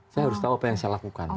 saya harus tahu apa yang saya lakukan